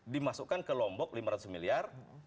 dimasukkan ke lombok lima ratus miliar